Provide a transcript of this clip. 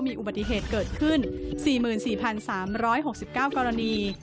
มีอุบัติเหตุเกิดขึ้น๔๔๓๖๙กรณี